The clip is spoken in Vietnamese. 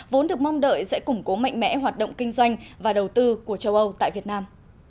vốn được mong đợi sẽ củng cố mạnh mẽ hoạt động kinh doanh và đầu tư của châu âu tại việt nam